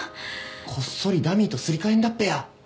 こっそりダミーとすり替えんだっぺや。